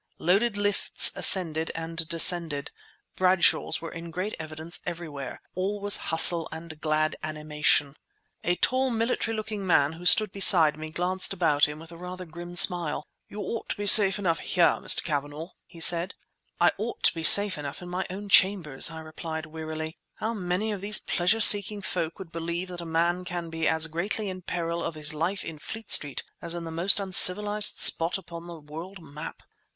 Loaded lifts ascended and descended. Bradshaws were in great evidence everywhere; all was hustle and glad animation. The tall military looking man who stood beside me glanced about him with a rather grim smile. "You ought to be safe enough here, Mr. Cavanagh!" he said. "I ought to be safe enough in my own chambers," I replied wearily. "How many of these pleasure seeking folk would believe that a man can be as greatly in peril of his life in Fleet Street as in the most uncivilized spot upon the world map?